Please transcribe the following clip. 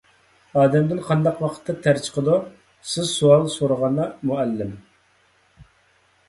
_ ئادەمدىن قانداق ۋاقىتتا تەر چىقىدۇ؟ _ سىز سوئال سورىغاندا، مۇئەللىم.